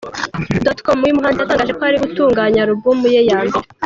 com, uyu muhanzi yatangaje ko ari gutunganya album ye ya mbere.